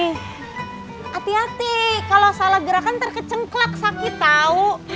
hati hati kalo salah gerakan ntar kecengklak sakit tau